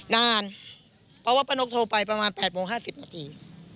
นานเพราะว่าปะนกโทรไปประมาณแปดโมงห้าสิบนาที